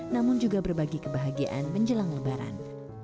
namun juga berbagi kebahagiaan menjelang lebaran